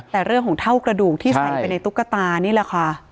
แต่เรื่องของเท่ากระดูกที่ใส่ไปในตุ๊กตานี่แหละค่ะ